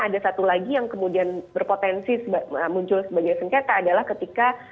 ada satu lagi yang kemudian berpotensi muncul sebagai sengketa adalah ketika